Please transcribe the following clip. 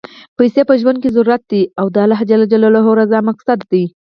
پیسی په ژوند کی ضرورت دی، او د اللهﷻ رضا مقصد دی.